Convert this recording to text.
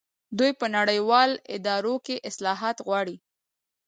دوی په نړیوالو ادارو کې اصلاحات غواړي.